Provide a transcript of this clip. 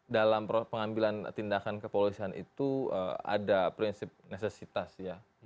dalam pengambilan tindakan kepolisian itu ada prinsip necesitas ya